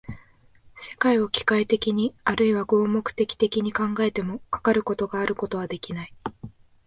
世界を機械的にあるいは合目的的に考えても、かかることがあることはできない。